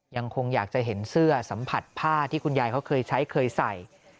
ยังคงอยากจะเห็นเสื้อสัมผัสผ้าที่คุณยายเขาเคยใช้เคยใส่